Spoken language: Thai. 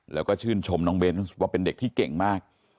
แล้วก็ชื่นชมน้องเบนส์ว่าเป็นเด็กที่เก่งมาก